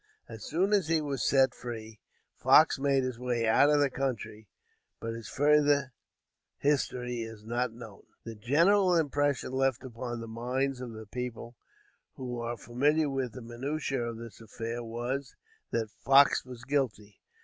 As soon as he was set free, Fox made his way out of the country; but his further history is not known. The general impression left upon the minds of the people who were familiar with the minutiæ of this affair was, that Fox was guilty.